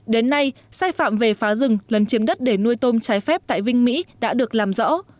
đến nay sai phạm về phá rừng lấn chiếm đất để nuôi tôm trái phép tại vinh mỹ đã được làm rõ